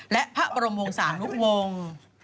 และพระบรมวงศาลลุกวง